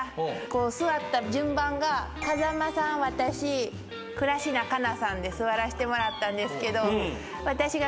こう座った順番が風間さん私倉科カナさんで座らせてもらったんですけど私が。